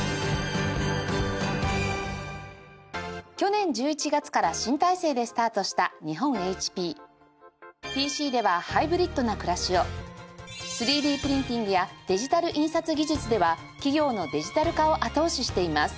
去年１１月から新体制でスタートした日本 ＨＰＰＣ ではハイブリッドな暮らしを ３Ｄ プリンティングやデジタル印刷技術では企業のデジタル化を後押ししています